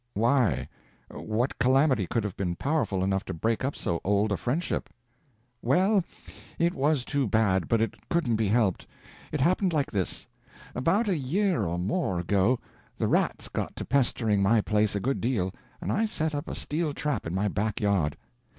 "Why, what calamity could have been powerful enough to break up so old a friendship?" "Well, it was too bad, but it couldn't be helped. It happened like this: About a year or more ago, the rats got to pestering my place a good deal, and I set up a steel trap in my back yard.